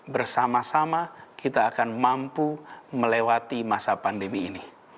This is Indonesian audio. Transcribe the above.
bersama sama kita akan mampu melewati masa pandemi ini